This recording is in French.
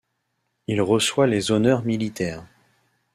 Il reçoit les honneurs militaires.